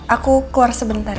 aku keluar sebentar ya